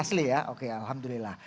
asli ya oke alhamdulillah